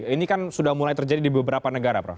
ini kan sudah mulai terjadi di beberapa negara prof